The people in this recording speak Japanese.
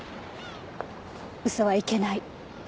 嘘はいけない。